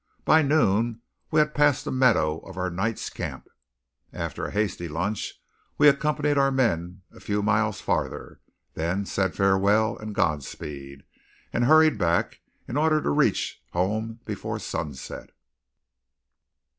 By noon we had passed the meadow of our night's camp. After a hasty lunch we accompanied our men a few miles farther, then said farewell and godspeed, and hurried back in order to reach home before sunset.